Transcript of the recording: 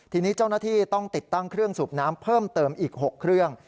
ทีนี้เจ้าหน้าที่ต้องติดตั้งเครื่องสูบน้ำเพิ่มเติมอีก๖เครื่อง